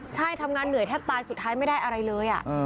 ใช่ทำงานเหนื่อยแทบตายสุดท้ายไม่ได้อะไรเลย